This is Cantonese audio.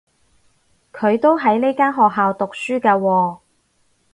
佢都喺呢間學校讀書㗎喎